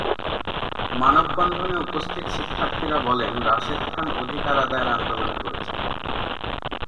মানববন্ধনে উপস্থিত শিক্ষার্থীরা বলেন, রাশেদ খান অধিকার আদায়ের আন্দোলন করেছেন।